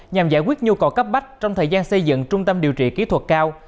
nhằm giải quyết nhu cầu cấp bách trong thời gian xây dựng trung tâm điều trị kỹ thuật cao